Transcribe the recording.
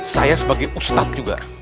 saya sebagai ustadz juga